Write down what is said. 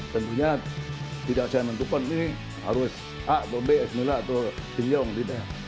tentunya tidak saya menentukan ini harus a atau b bismillah atau sintayong tidak